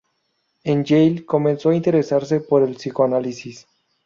En Yale comenzó a interesarse por el psicoanálisis.